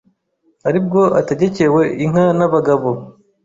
Ari bwo ategekewe inka n’abagabo